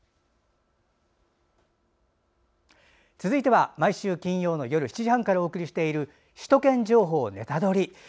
続いては、毎週金曜夜７時半からお送りしている「首都圏情報ネタドリ！」。